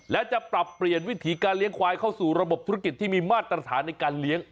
และจะปรับเปลี่ยนวิถีการเลี้ยงควายเข้าสู่ระบบธุรกิจที่มีมาตรฐานในการเลี้ยง